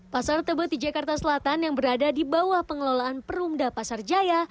pasar tebet di jakarta selatan yang berada di bawah pengelolaan perumda pasar jaya